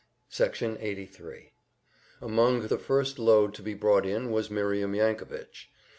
Section 83 Among the first load to be brought in was Miriam Yankovich.